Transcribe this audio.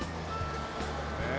ねえ。